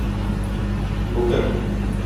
Бу кем?